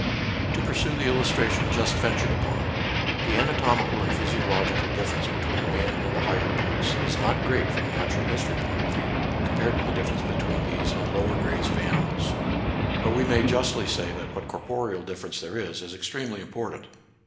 To pursue the illustration just ventured upon: The anatomical and physiological difference be tween man and the higher brutes is not great from a natural history point of view, compared with the difference between these and lower grades of animals ; but we may justly say that what corporeal difference there is is extremely important.